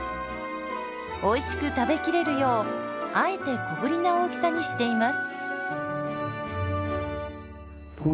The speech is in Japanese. おいしく食べきれるようあえて小ぶりな大きさにしています。